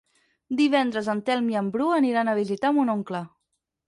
Divendres en Telm i en Bru aniran a visitar mon oncle.